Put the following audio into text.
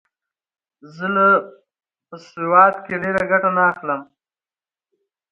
زه له په سواد کښي ډېره ګټه نه اخلم.